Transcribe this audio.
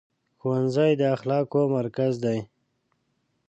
ښوونځی د اخلاقو مرکز دی.